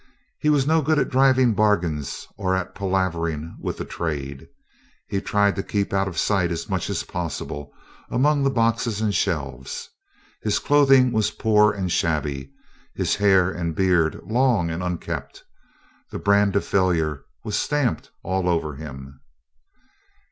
He was no good at driving bargains or at palavering with the trade. He tried to keep out of sight as much as possible among the boxes and shelves. His clothing was poor and shabby, his hair and beard long and unkempt. The brand of failure was stamped all over him.